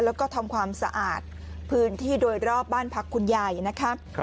แล้วก็ทำความสะอาดพื้นที่โดยรอบบ้านพักคุณยายนะครับ